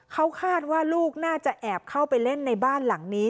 เขาคาดว่าลูกน่าจะแอบเข้าไปเล่นในบ้านหลังนี้